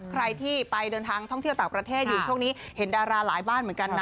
ใครที่ไปเดินทางท่องเที่ยวต่างประเทศอยู่ช่วงนี้เห็นดาราหลายบ้านเหมือนกันนะ